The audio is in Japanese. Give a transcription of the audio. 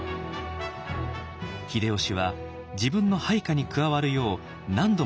秀吉は自分の配下に加わるよう何度も使いを出していました。